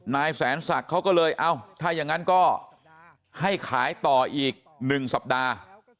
นายแสนศักดิ์เขาก็เลยเอ้าถ้าอย่างนั้นก็ให้ขายต่ออีก๑สัปดาห์